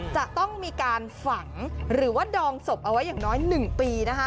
จะต้องมีการฝังหรือว่าดองศพเอาไว้อย่างน้อย๑ปี